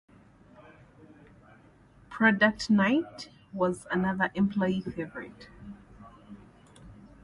"Product Night" was another employee favorite.